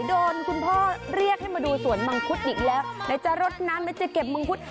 คุณพ่อเรียกให้มาดูสวนมังคุดอีกแล้วไหนจะรดน้ำไหนจะเก็บมังคุด